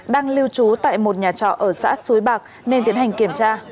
đang lưu trú tại một nhà trọ ở xã suối bạc nên tiến hành kiểm tra